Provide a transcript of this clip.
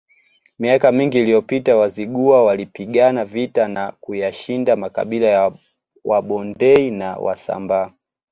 Miaka mingi iliyopita Wazigua walipigana vita na kuyashinda makabila ya Wabondei na Wasambaa